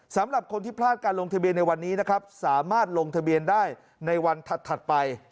สำหรับคนที่พลาดการลงทะเบียนในวันนี้นะครับสามารถลงทะเบียนได้ในวันถัดไป